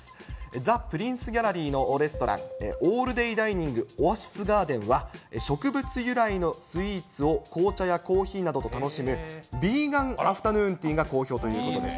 ザ・プリンスギャラリーのレストラン、オールデーダイニング、オアシスガーデンは、植物由来のスイーツを紅茶やコーヒーなどと楽しむヴィーガンアフタヌーンティーが好評ということです。